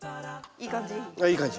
いい感じ？